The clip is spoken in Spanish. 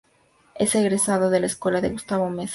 Es egresado de la Escuela de Gustavo Meza.